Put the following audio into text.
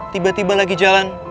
tiba tiba lagi jalan